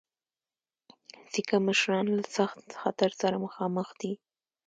سیکه مشران له سخت خطر سره مخامخ دي.